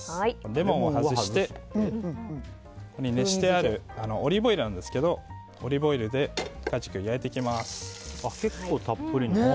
レモンを外して、熱してあるオリーブオイルなんですがオリーブオイルでカジキを焼いていきます。